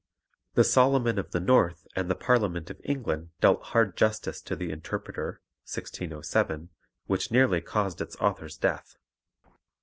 The Solomon of the North and the Parliament of England dealt hard justice to the Interpreter (1607), which nearly caused its author's death.